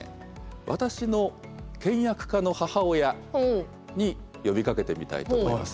私の倹約家の母親に呼びかけてみたいと思います。